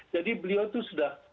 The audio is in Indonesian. jadi beliau itu sudah